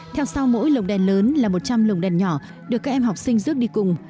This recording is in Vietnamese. theo sau mỗi lồng đèn lớn là một trăm linh lồng đèn nhỏ được các em học sinh rước đi cùng